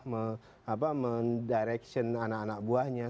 mendirection anak anak buahnya